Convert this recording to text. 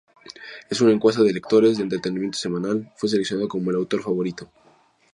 En una encuesta de lectores de entretenimiento semanal, fue seleccionado como el autor favorito.